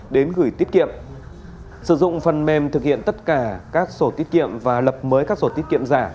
đến gửi tiết kiệm sử dụng phần mềm thực hiện tất cả các sổ tiết kiệm và lập mới các sổ tiết kiệm giả